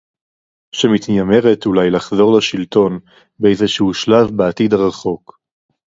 שמתיימרת אולי לחזור לשלטון באיזה שהוא שלב בעתיד הרחוק